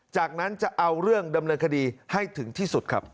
จากนั้นจะเอาเรื่องดำเนินคดีให้ถึงที่สุดครับ